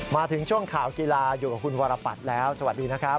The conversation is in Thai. มาถึงช่วงข่าวกีฬาอยู่กับคุณวรปัตย์แล้วสวัสดีนะครับ